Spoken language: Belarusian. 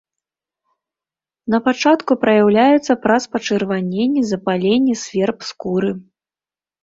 Напачатку праяўляецца праз пачырваненне, запаленне, сверб скуры.